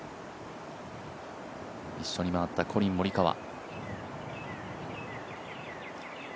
一緒に回ったコリン・モリカワ。